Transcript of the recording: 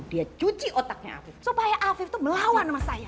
dia cuci otaknya supaya afif itu melawan sama saya